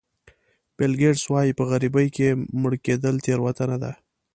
بیل ګېټس وایي په غریبۍ کې مړ کېدل تېروتنه ده.